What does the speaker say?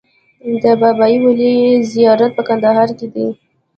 د بابای ولي زیارت په کندهار کې دی